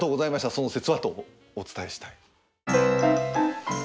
その節はとお伝えしたい。